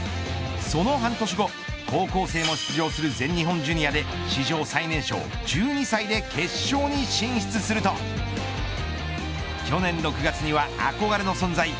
その半年後高校生も出場する全日本ジュニアで史上最年少１２歳で決勝に進出すると去年６月には憧れの存在